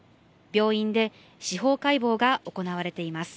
病院で司法解剖が行われています。